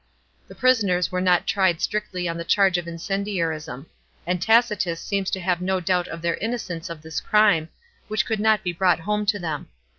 The prisoners were not tried strictly on the charge of incendiarism ; and Tac.tus seems to have no doubt of their innocence 01 this crime, \\hich coi.ld not be brought home to them.